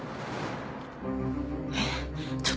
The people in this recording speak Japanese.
えっ？